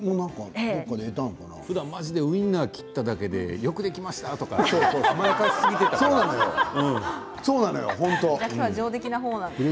ふだんはまじでウインナーを切っただけでよくできました！とそうなのよ。